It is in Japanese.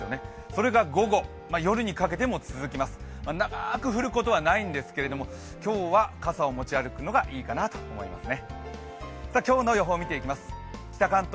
それが午後、夜にかけても続きます長く降ることはないんですけれども、今日は傘を持ち歩くのがいいかなと思いますね。